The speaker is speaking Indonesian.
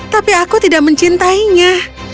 tapi aku tidak mencintainya